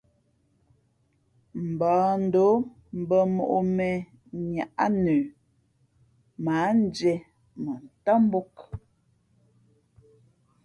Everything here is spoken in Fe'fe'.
Mbᾱᾱndǒm mbᾱ mǒʼ mēnniáʼ nə mα ǎ ndiē mά ntám mbōk.